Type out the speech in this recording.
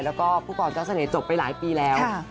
แล้วก็ผู้กองเจ้าเสน่หจบไปหลายปีแล้ว